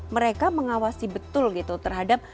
mereka mengawasi betul gitu terhadap